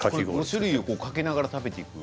５種類をかけながら食べていく。